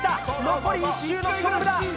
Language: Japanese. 残り１周の勝負だ。